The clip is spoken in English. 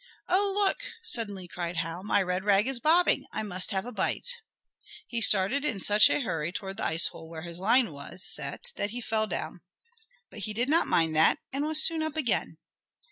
"Oh, look!" suddenly cried Hal. "My red rag is bobbing; I must have a bite!" He started in such a hurry toward the ice hole where his line was set that he fell down. But he did not mind that, and was soon up again.